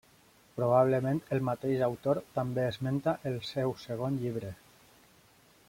Probablement el mateix autor també esmenta el seu segon llibre.